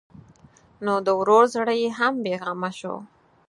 نو د ورور زړه یې هم بېغمه شو.